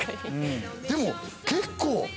でも結構。